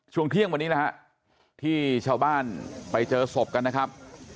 ช่วงเที่ยงวันนี้นะฮะที่ชาวบ้านไปเจอศพกันนะครับ